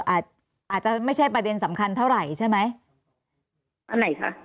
อาจจะไม่ใช่ประเด็นสำคัญเท่าไหร่ใช่ไหมอันไหนคะ